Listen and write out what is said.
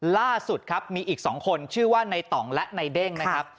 ล่าสุดครับมีอีก๒คนชื่อว่าในต่องและในเด้งนะครับ